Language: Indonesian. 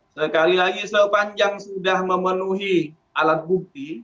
sekali lagi selalu panjang sudah memenuhi alat bukti